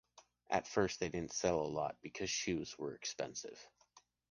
At first, they didn’t sell a lot because shoes were expensive.